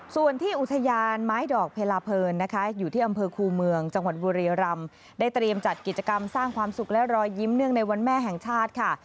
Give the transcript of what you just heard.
ส่วนที่อุทยานไม้ดอกเพลาเพลินนะคะอยู่ที่อำเภอคูเมืองจังหวัดบุรีรำได้เตรียมจัดกิจกรรมสร้างความสุขและรอยยิ้มเนื่องในวันแม่แห่งชาติค่ะ